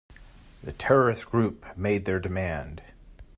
The terrorist group made their demand.